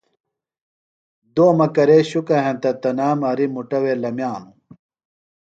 دومہ کرے شُکہ ہینتہ تنام ہریۡ مُٹہ وے لمیانوۡ۔